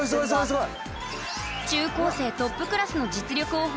すごい！